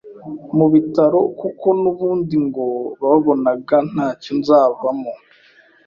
mu bitaro kuko n’ubundi ngo babonaga nta cyo nzavamo